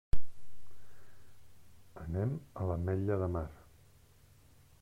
Anem a l'Ametlla de Mar.